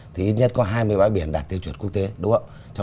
thì ít nhất có hai mươi bãi biển đạt tiêu chuẩn quốc tế đúng không ạ